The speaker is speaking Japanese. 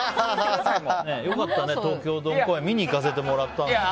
良かったね、東京ドーム公演見に行かせてもらったんですけど。